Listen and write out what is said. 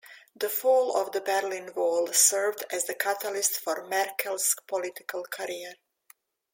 The fall of the Berlin Wall served as the catalyst for Merkel's political career.